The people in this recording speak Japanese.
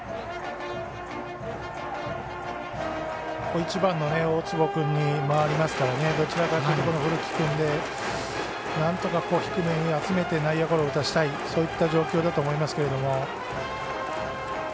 １番の大坪君に回りますからどちらかというと古木君でなんとか低めに集めて、内野ゴロを打たせたいそういった状況だと思いますけど。